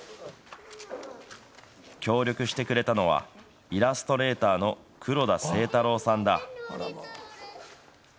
協力してくれたのは、イラストレーターの黒田征太郎さんだ。